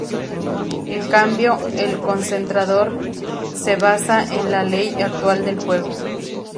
En cambio el concentrador s basa en la ley actual del juego.